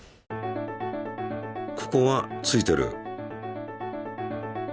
ここはついてる。